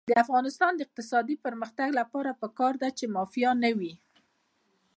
د افغانستان د اقتصادي پرمختګ لپاره پکار ده چې مافیا نه وي.